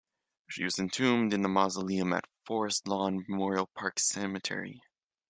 She was entombed in a mausoleum at Forest Lawn Memorial Park Cemetery.